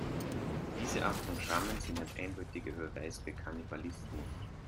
Diese Art von Schrammen sind ein eindeutiger Beweis für Kannibalismus.